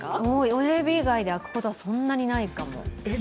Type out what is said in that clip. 親指以外で開くことはそんなにないかも。